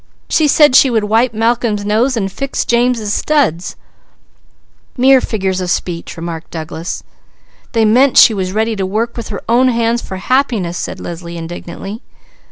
She said she would wipe Malcolm's nose and fix James' studs " "Mere figures of speech!" remarked Douglas. "They meant she was ready to work with her own hands for happiness," said Leslie indignantly.